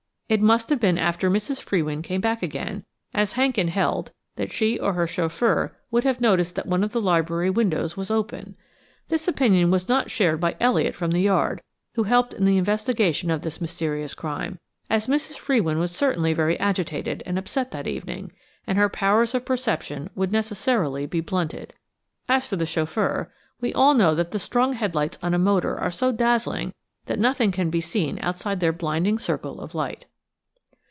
It must have been after Mrs. Frewin came back again, as Hankin held that she or her chauffeur would have noticed that one of the library windows was open. This opinion was not shared by Elliott from the Yard, who helped in the investigation of this mysterious crime, as Mrs. Frewin was certainly very agitated and upset that evening, and her powers of perception would necessarily be blunted. As for the chauffeur: we all know that the strong headlights on a motor are so dazzling that nothing can be seen outside their blinding circle of light.